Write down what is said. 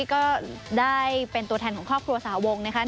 ก็ได้เป็นตัวแทนของครอบครัวสาวงนะคะ